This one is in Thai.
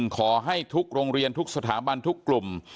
ขอให้ทุกโรงเรียนทุกสถาบันทุกกลุ่ม